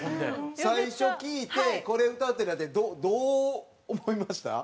最初聴いてこれ歌うってなってどう思いました？